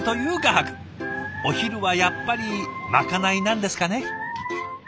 お昼はやっぱりまかないなんですかね。